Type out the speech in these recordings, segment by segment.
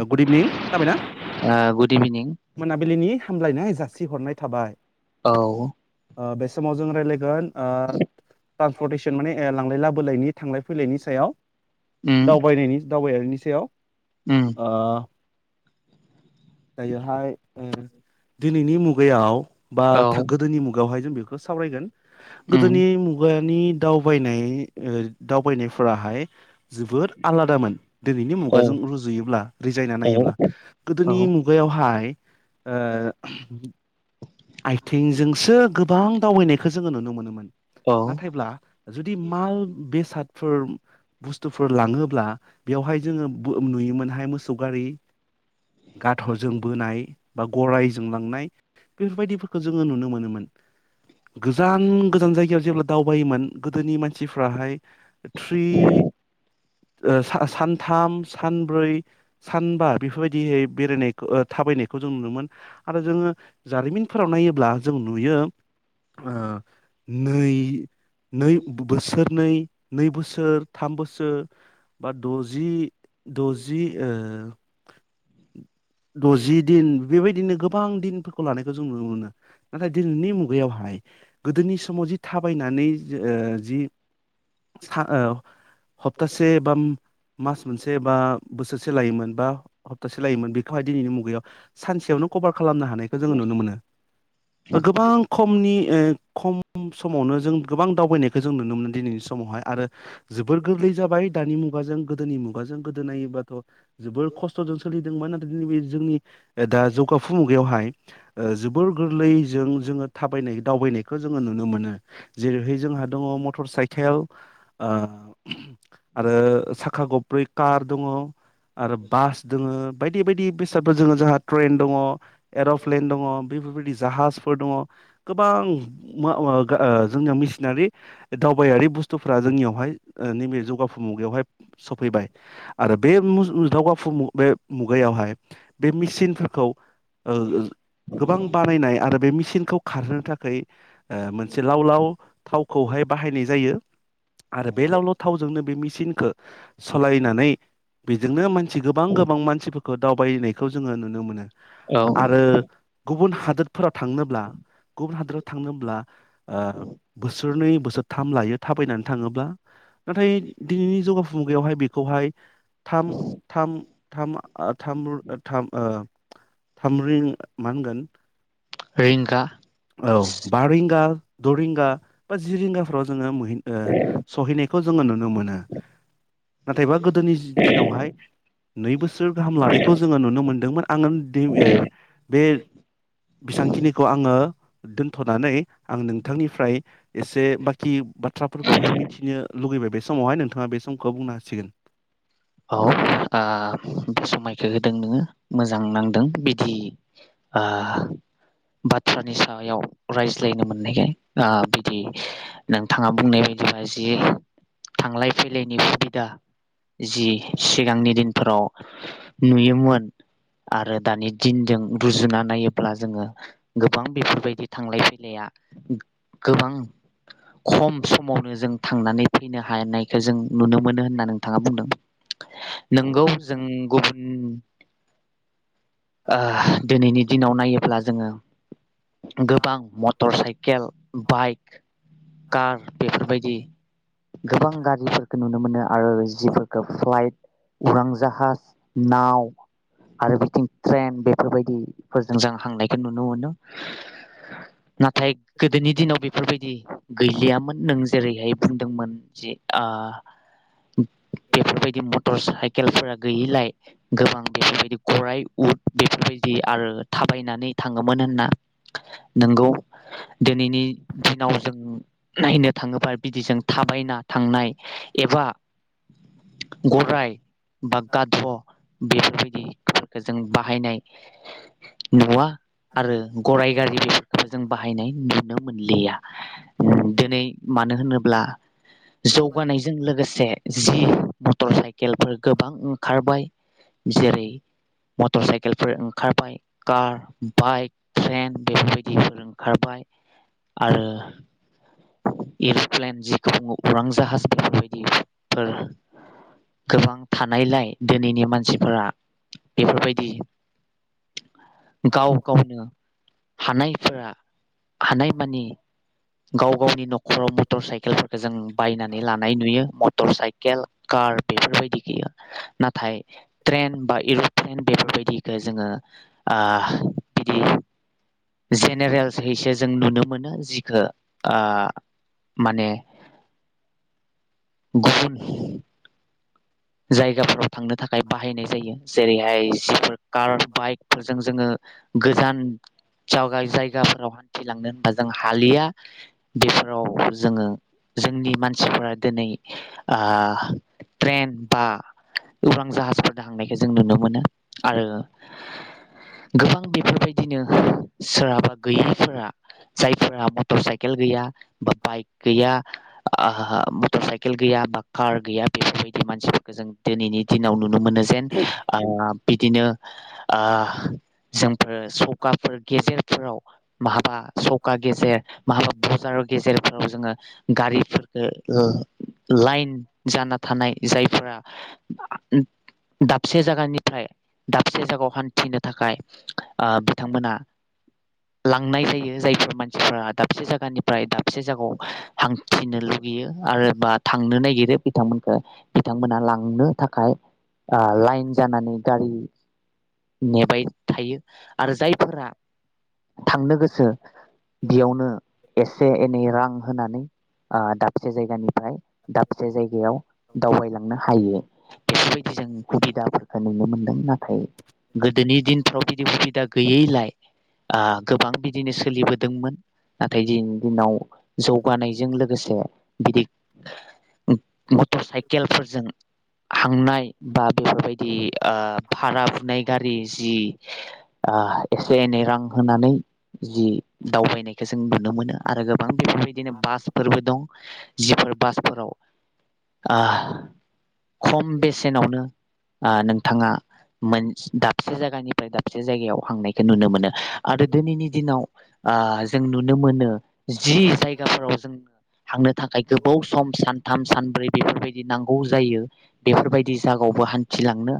ओ good evening खोनाबायना? Good इभिनिं मोनाबिलिनि हामलायनाय जा सि हरनाय थाबाय औ। ओ बे समाव जों रायज्लायगोन आ ट्रान्सपरतेसन माने ला लांलाय लाबोलायनि थांलाय फैलायनि सायाव उम । दावबायनायनि दावबायारिनि सेयाव उम ओ दायोहाय ओ दिनैनि मुगायाव बा औ था गोदोनि मुगायावहाय जों बेख खो सावरायगोन। उम गोदोनि मुगानि दावबायनाय ओ दावबायनायफोराहाय जोबोद आलादामोन दिनैनि औ मुगाजों रुजुयोब्ला । रिजायना औ नायोब्ला गोदोनि औ मुगायावहा हाय ओ आयथिंजोंसो गोबां दावबायनायखो जोङो नुनो मोनोमोन औ । नाथायब्ला जुदि माल बेसाद फोर बुस्थुफोर लाङोब्ला बेवहाय जोङो ब नुयोमोनहाय मोसौ गारि गाध'जों बोनाय बा गरायजों लांनाय फोरबायदिफोरखो जोङो [inaudible] नुनो मोनोमोन । गोजान गोजान जायगायाव जेब्ला दावबायोमोन गोदोनि मानसिफ्राहाय थ्रि ओ सा-सानथाम सानब्रै सानबा बेफोरबायदिहै बेरायनायखो ओ थाबायनायखौ जों नुयोमोन आरो जोङो जारिमिनफोराव नायोब्ला जों नुयो ओ नै नै ब-बोसोरनै नै बोसोर थाम बोसो बा द'जि द'जि ओ [inaudible] दजि दिन बेबाय दिनो गोबां दिनफो खौ लानायखौ जों नुनो मोनो नाथाय दिनैनि मुगायावहाय गोदोनि समाव जि थाब बायनानै जो ओ जि सा ओ हप्तासे बाम मास मोनसे बा बोसोरसे लायोमोन बा हप्तासे लायोमोन बेखौहाय दिनैनि मुगायाव सानसेयावनो कभार खालामनो हानाय जों नुनो मोनो ओ गोबां खमनि नि ओ खम समावनो जों गोबां दावबायनायखो जों नुनो मोनो दिनैनि समावहाय आरो जोबोर गोरलै जाबाय दानि मुगाजों गोदोनि मुगाजों गोदो नायोबाथ' जोबोर खस्थ'दों सोलि जों [unintelligible] नैबे जोंनि ओ दा जौगाफु मुगायावहाय ओ जोबोर गोरलैजों जोङो थाबायनाय दावबायनायखो जोङो नुनो मोनो जेरैहै जोंहा दङ मटर साइकेल ओ आरो साखा खबब्रै कार दङ। आरो बास दोङो। बायदि बायदि बेसादफोर जोङो जोंहा ट्रेन दङ। प्लेन दङ बेफोरबायदि जाहाजफोर दङ गोबां मा-मा आ जोंनियाव मिसिनारि बे दावबायारि बुस्थुफ्रा जोंनियावहाय ओ नैबे जौगाफु मुगायावहाय सफैबाय आरो बे दावगाफु मुगायावहाय बे मेचिनफोरखौ औ-औ गोबां बानायनाय आरो बे मेसिनखौ खारहोनो थाखै ओ मोनसे लाव लाव थावखौहाय बाहायनाय जायो। आरो बे लावलाव थावजोंनो बे मि चिनखौ सालायनानै बेजोंनो मानसि गोबां-गोबां गोबां मानसिफोरखौ दावबायनायखौ जोङो नुनो मोनो। औ आरो गुबुन हादोरफोराव थांनोब्ला गुबुन हादोराव थांनोब्ला बोसोरनै बोसोरथाम लायो थाबायनानै थाङोब्ला नाथाय दिनैनि जौगा मुगायावहाय बेखौहाय थामरिंगा माहोनगोन? रिंगा औ बारिंगा द' रिंगा बा जि रिंगाफ्राव जोङो सहैनायखौ खौ जोङो नुनो मोनो। नाथायबा गोदोनि दिनावहाय नै बोसोर गाहाम लानायखौ जोङो नुनो मोनदों। दोंमोन आङो बे बेसेबांखिनिखौ आङो दोनथ'नानै आं नोंथांनिफ्राय एसे बाखि बाथ्राफोरखौहाय मिथिनो लुुबैबाय बे समावहाय नोंथाङा बे सम खौ बुंनो हांसिगोन औ बे समायखौ होदों नोङो मोजां नांदों बिदि बाथ्रानि सायाव रायज्लायनो मोननायखाय बिदि नोंथाङा बुंनाय बायदिनो जि थांलाय-फैलायनि सुबिदा जि सिगांनि दिनफोराव नुयोमोन आरो दानि दिनजों रुजुना नायोब्ला जोङो गोबां बेफोरबायदि थांलाय फैलाया गोबां खम समावनो जों थांनानै फैनो हानायखौ जों नुनो मोनो होनना नोंथाङा बुंदोंमोन। नोंगौ जों गुबुन ओ दिनैनि दिनाव नायोब्ला जोङो गोबां motorcycle cycle bike car बेफोरबायदि गोबां गाज्रिफोरखौ नुनो मोनो आरो जि फ्लाइट उरां जाहाज नाव आरो बिथिं ट्रेन बेफोरबायदि फोरजों जों हांनायखौ नुनो मोनो । नाथाय गोदोनि दिनाव बेफोरबायदि गैलियामोन । नों जेरैहाय बुंदोंमोन जि आ बेफोरबायदि मटर साइकेल केलफोरा गैयिलाय गोबां बेफोरबायदि गराइ उद बेफोरबायदि । आरो थाबायनानै थांङो होनना नोंगौ दिनैनि दिनाव जों नायनो थाङोबा बिदिजों थाबायना थांनाय एबा गराइ [unintelligible] बेफोरबायदिफोरखौ जों बाहायनाय नुवा आरो गराय गारि बेफोरखौबो जों बाहायनाय नुनो मोनो मोनलिया । दिनै मानो होनो ब्ला जौगानायजों लोगोसे जि मटर साइकेलफोर गोबां ओंखारबाय जेरै मटर साइकेलफोर ओ खारबाय कार, बाइक, ट्रेन बेफोरबायदिफोर ओंखारबाय आरो एर'प्लेन जिखौ बुङो उरां जाहाज बेफोरबायदि फोर गोबां थानायलाय दिनैनि मानसि फोरा बेफोरबायदि गाव गावनो हानायफोरा हानायमानि गाव गावनि न'खराव मटर साइकेलफोरखौ जों बायनानै लानाय नुयो । साइकेल कार बेफोरबाय [unintelligible] [unintelligible] ट्रेन बा [unintelligible] [unintelligible] बेफोरबायदिखौ जोङो ओ बिदि जेनेरेल्सैसो जों नुनो मोनो । जिखो ओ माने गुबुन जायगाफोराव थांनो थाखाय बाहायनाय जायो जेरैहाय जिफोर कार बाइकफोरजों जोङो गोजान [unintelligible] जायगाफोराव हान्थिलांनो होनबा जों हालिया बेफोराव जोङो जोंनि मानसिफोरा दिनै आ [unintelligible] ट्रेन बा उरां जाहाजफोर दाहांनायखौ जों नुनो मोनो आरो गोबां बेफोरबायदिनो सोरहाबा गैयैफोरा जायफोरा मटर साइकेल गैया बा बाइक गैया [unintelligible] मटर साइकेल गैया बा कार गैया बेफोरबायदि मानसिफोर जों दिनैनि दिनाव नुनो मोनो जेन ओ बिदिनो ओ जों सखाफोर गेजेरफोराव माहाबा सखा गेजेर माहाबा बाजार गेजेरफोराव जोङो गारिफोरफोरखौ लाइन जाना थानाय जायफोरा [inaudible] दाबसे जागानिफ्राय दाबसे जायगायाव हान्थिनो थाखाय आ बिथांमोना लांनाय जायो जायफोर मानसिफोरा दाबसे जाय जानिफ्राय दाबसे जगायाव हांथिनो लुगैयो आरो बा थांनो नागिरो बिथांमोनखौ बिथांमोना लां थांनो थाखाय आ लाइन जानानै गारि नेबाय थायो आरो जायफोरा थांनो गोसो बेयावनो एसे एनै रां होनानै आ दाबसे जायगानिफ्राय दाबसे जायगायाव दावबायलांना हायो बेफोरबायदि जों सुबिदाफोर नुनो मोनदों नाथाय गोदोनि दिनफ्राव बिदि दा गैयैलाय आ गोबां बिदिनो सोलिबोदोंमोन नाथाय दिनैनि दिनाव जौगानायजों लोगोसे बिदि मटर साइकेलफोरजों हांनाय बा बेफोरबायदि आ भारा मोननाय गारि जि आ एसे एनै रां होनानै जि दावबायनायखौ जों नुनो मोनो आरोगोब गोबां बेफोरबायदिनो बासफोरबो दं जिफोर बासफोराव आ खम बेसेनावनो आ नोंथाङा मोन दाबसे जागानिफ्राय दाब से जायगायाव हांनायखौ नुनो मोनो। आरो दिनैनि दिनाव आ जों नुनो मोनो जि जायगाफोराव जों थांनो थाखाय गोबाव सम सानथाम सानब्रै बेफोरबायदि नां ग जायो। बेफोरबायदि जागावबो हान्थिलांनो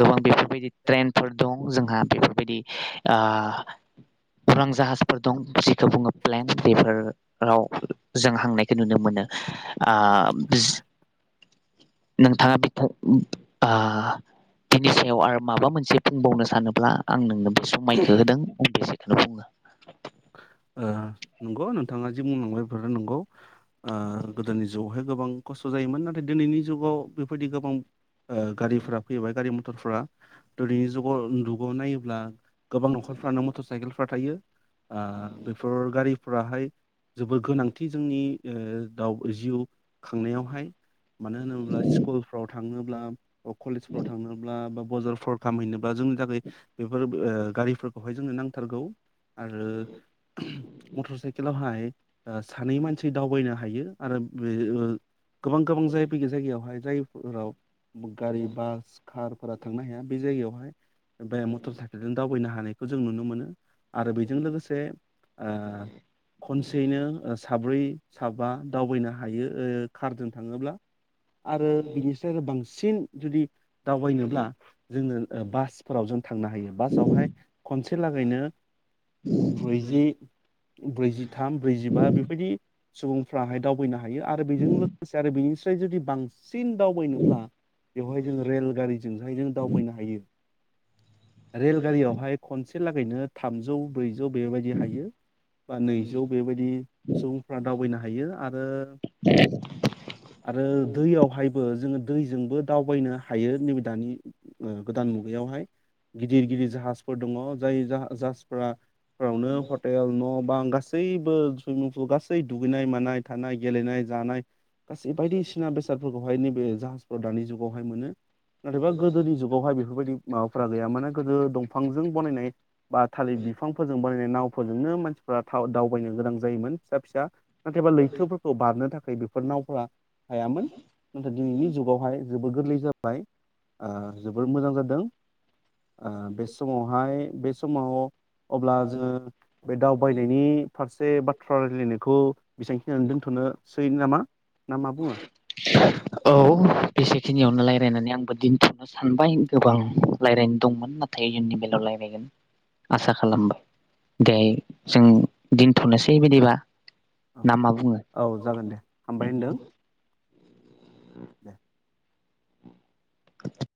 गोबां बेफोरबायदि ट्रेनफोर दं जोंहा बेफोरबायदि आ उरां जाहाजफोर दं जेखौ बुङो प्लेन बेफोर राव जों हांनायखौ नुनो मोनो आ बिस नोंथाङा बिथाव आ बिनि सायाव आरो माबा मोनसे बुंबावनो सानोब्ला आं नोंनो बे समाइखो होदों [unintelligible] [unintelligible] ओ नंगौ नोंथाङा जि बुंलांबाय बेफोरो नंगौ ओ गोदोनि जुगावहाय गोबां खस्थ जायोमोन नाथाय दिनैनि जुगाव बेफोर बायदि गोबां ओ गारिफोरा फैबाय गारि मथरफोरा। दिनैनि जुगाव दुगाव नायो ब्ला गोबां नखरफ्रानो मथर साइखेल फ्रा थायो। आ [unintelligible] गारिफ्रा हाय जोबोर गोनांथि जोंनि ओ दाउ जिउ खांनायावहाय मानो होनोब्ला स्कुलफ्राव थाङो ब्ला कलेजफोराव थांनोब्ला बा बजार फर खामहैनो बा जोंनि थाखाय बेफोर ओ गारिफोरखौहाय जोंनो नांथारगौ। आरो मटर साइकेलावहाय ओ सानै मानसि दावबायनो हायो आरो बे ओ गोबां गोबां जाय बेै जायगायावहाय जायफोराव गारि बास कारफोरा थांनो हाया बे जायगायावहा हाय बे मटर साइकेलजों दावबायनो हानाय खौ जों नुनो मोनो । आरो बेजों लोगोसे ओ खनसेयैनो ओ साब्रै साबा दावबायनो हायो ओ कारजों थाङोब्ला । आरो बिनिफ्राय आरो बांसिन जुदि दावबायनोब्ला जोङो बासफोराव जों थांनो हायो बासावहाय खनसे लागैनो ब्रैजि ब्रैजिथाम ब्रैजिबा बेबायदि सुबुंफ्राहाय दावबायनो हायो आरो बेजों लोगोसे आरो बेनिसाय जुदि बां सिन दावबायनोब्ला बेवहाय जों रेलगारिजोंहाय जों दावबायनो हायो । रेलगारियावहाय खनसे खनसे लागायनो थामजौ ब्रैजि ज' बेबायदि हायो। बा नैजौ बेबायदि सुबुंफ्रा दावबायनो हायो आरो आरो दैयावहायबो । जोङो दैजोंबो दावबायनो हायो नै बे दानि ओ गोदान मुगायावहाय । गैदिर-गैदिर जाहाजफोर दङ। दोय जाह जाजफोरा बावनो हर न बाआं गासैबो सुइमिं पूल गासै दुगैनाय मानाय थानाय गेलेनाय, जानाय। गासै बायदिसिना बेसादफोरखौ। बेवहाय नैबे जाहाजफाओराव दानि जुगावहाय मोनो। नाथायबा गोदोनि जुगावहाय बेफोरबायदि। माखासे मुवाफोरा गैया जाबाय माने गोदो दंफांजों बानायनाय। बा थालिर बिफांफोरजों बो नाव फोरजोंनो मानसिफ्रा दावबायनो गोनां जायोमोन फिसा फिसा। नाथायबा लैथोफोरखौ बारनो थाखाय। बेफोर नावफोरा हायामोन, नाथाय दिनैनि जुगावहाय जोबोद गोरलै जाबाय। ओ जोबोर मोजां जादों। ओ बे समावहाय बे समाव अब्ला जोङो बे दावबायनायनि फारसे बाथ्रा रायजलायनाय बेखौ बेसांखिनियावनो दोनथ'नो सै नामा? नामा बुङो? खिनियावनो रायज्लायनानै आंबो दोनथ'नो सानबाय गोबां रायज्लायनो दंमोन नाथाय इयुननि बेलायाव रायज्लायगोन आसा खालामबाय दे जों दोनथ'नोसै बिदिबा। औ ना मा बुङो? औ जागोन दे हामबाय होनदों। दे। [unintelligible]